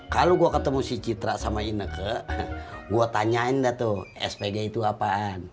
kalo gua ketemu si citra sama ineke gua tanyain dah tuh spg itu apaan